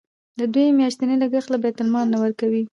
د دوی میاشتنی لګښت له بیت المال نه ورکوئ.